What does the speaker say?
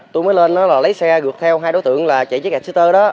tôi mới lên lấy xe gượt theo hai đối tượng là chạy chiếc exeter đó